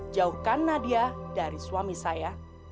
jauhkan nadia dari suami saya